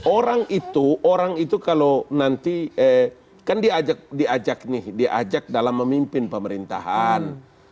orang itu orang itu kalau nanti kan diajak nih diajak dalam memimpin pemerintahan